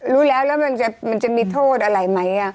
รู้แล้วแล้วมันจะมีโทษอะไรไหม